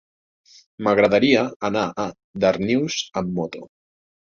M'agradaria anar a Darnius amb moto.